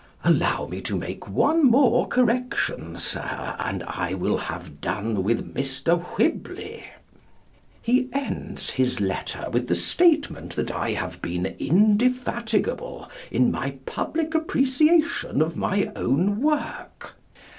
Allow me to make one more correction, Sir, and I will have done with Mr. Whibley. He ends his letter with the statement that I have been indefatigable in my public appreciation of my own work.